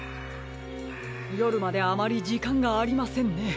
よるまであまりじかんがありませんね。